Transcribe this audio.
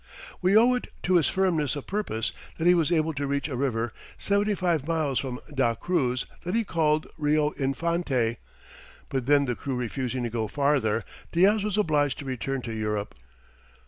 We owe it to his firmness of purpose that he was able to reach a river, 75 miles from Da Cruz that he called Rio Infante, but then the crew refusing to go farther, Diaz was obliged to return to Europe.